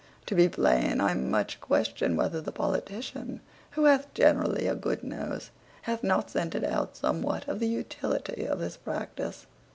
To be plain, I much question whether the politician, who hath generally a good nose, hath not scented out somewhat of the utility of this practice.